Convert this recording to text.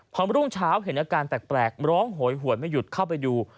พอรุ่งเช้าเห็นอาการแปลกร้องโหยหวยไม่หยุดเข้าไปดู